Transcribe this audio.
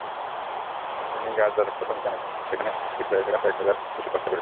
তিনি গাজার কথাও মুখে আনেননি, যেখানে ইসরায়েলিরা কয়েক হাজার শিশুকে হত্যা করেছিল।